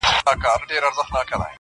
مړې سي عاطفې هلته ضمیر خبري نه کوي,